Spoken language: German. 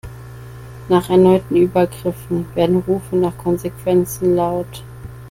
Nach erneuten Übergriffen werden Rufe nach Konsequenzen laut.